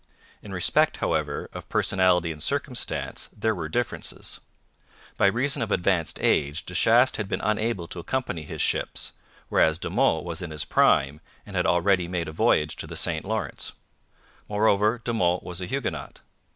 In respect, however, of personality and circumstance there were differences. By reason of advanced age De Chastes had been unable to accompany his ships, whereas De Monts was in his prime and had already made a voyage to the St Lawrence. Moreover, De Monts was a Huguenot.